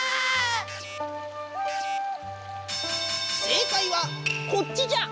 正解はこっちじゃ。